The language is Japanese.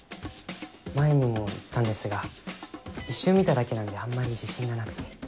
前にも言ったんですが一瞬見ただけなんであんまり自信がなくて。